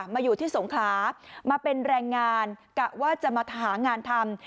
มาอยู่ที่สงขลามาเป็นแรงงานกะว่าจะมาหางานทำ